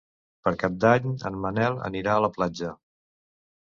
Per Cap d'Any en Manel anirà a la platja.